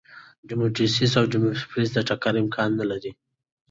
ډیډیموس او ډیمورفوس د ټکر امکان نه لري.